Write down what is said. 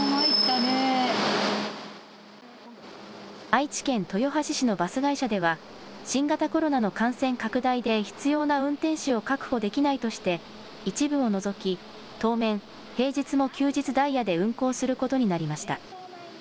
愛知県豊橋市のバス会社では新型コロナの感染拡大で必要な運転士を確保できないとして、一部を除き当面平日も休日ダイヤで運行することになりました。